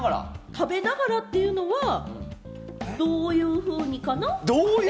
食べながらってどういうふうにかな？